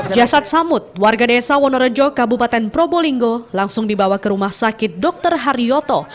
jasad samud warga desa wonorejo kabupaten probolinggo langsung dibawa ke rumah sakit dr haryoto